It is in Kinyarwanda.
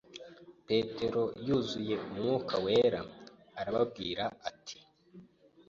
Petero yuzuye Umwuka Wera, arababwira ati